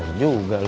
sampai jumpa lagi